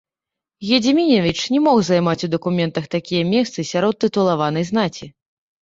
Гедзімінавіч не мог займаць у дакументах такія месцы сярод тытулаванай знаці.